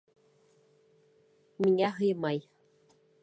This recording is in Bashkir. Миңә һыймай!